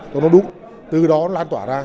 cho nó đúng từ đó nó lan tỏa ra